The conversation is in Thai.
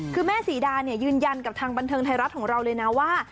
คือแม่ศรีดาเนี่ยยืนยันกับทางบันเทิงไทยรัฐของเราเลยนะว่า